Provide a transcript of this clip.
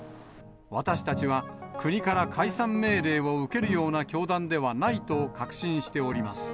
私たちは、国から解散命令を受けるような教団ではないと確信しております。